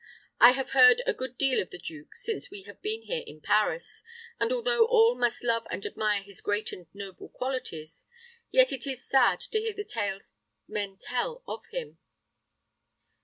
"I have heard a good deal of the duke since we have been here in Paris, and although all must love and admire his great and noble qualities, yet it is sad to hear the tales men tell of him."